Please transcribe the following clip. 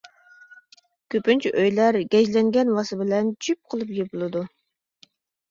كۆپىنچە ئۆيلەر گەجلەنگەن ۋاسا بىلەن جۈپ قىلىپ يېپىلىدۇ.